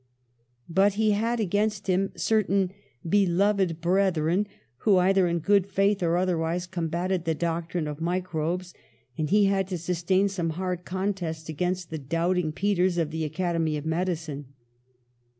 But he had against him certain "beloved 152 PASTEUR brethren" who, either in good faith or other wise, combatted the doctrine of microbes, and he had to sustain some hard contests against the doubting Peters of the Academy of Medi cine.